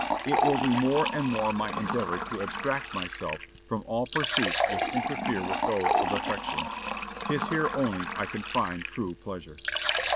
It will be more and more my endeavor to abstract myself from all pursuits which interfere with those of affection. 'Tis here only I can find true pleasure."